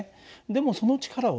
でもその力をね